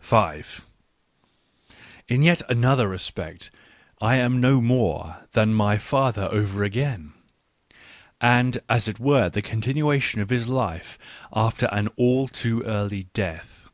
5 In yet another respect I am no more than my father over again, and as it were the continuation of his life after an all too early death.